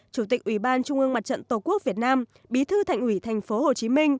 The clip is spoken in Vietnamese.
chủ tịch ủy ban trung ương mặt trận tổ quốc việt nam bí thư thành ủy tp hcm